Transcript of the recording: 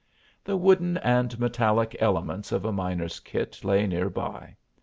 The wooden and metallic elements of a miner's kit lay near by.